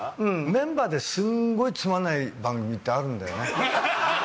メンバーですごいつまらない番組ってあるんだよね。